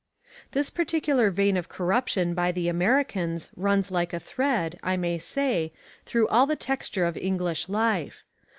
This peculiar vein of corruption by the Americans runs like a thread, I may say, through all the texture of English life.